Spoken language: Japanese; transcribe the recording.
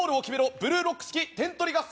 ブルーロック式点取り合戦！